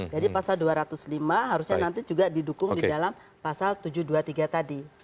jadi pasal dua ratus lima harusnya nanti juga didukung di dalam pasal tujuh ratus dua puluh tiga tadi